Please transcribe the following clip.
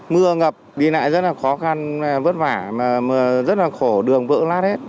mưa ngập đi lại rất là khó khăn vất vả mà rất là khổ đường vỡ nát hết